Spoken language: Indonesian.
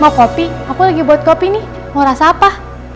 mau kopi aku lagi buat kopi nih mau rasa apa